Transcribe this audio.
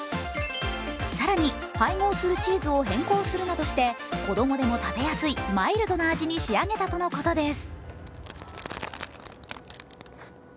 更に配合するチーズを変更するなどして子供でも食べやすいマイルドな味に仕上げたとのことです。